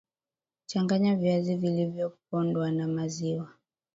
changanya viazi vilivyopondwa na maziwa